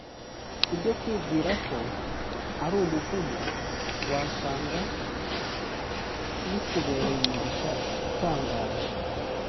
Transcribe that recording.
Ibyo wibwira ko ari umuvumo wasanga bikubereye umugisha utangaje